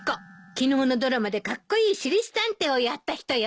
昨日のドラマでカッコイイ私立探偵をやった人よ。